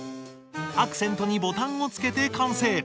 アクセントにボタンを付けて完成。